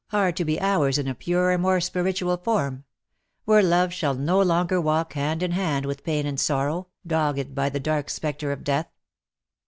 279 are to be ours in a purer and more spiritual form — where love shall no longer walk hand in hand with pain and sorrow, dogged by the dark spectre Death.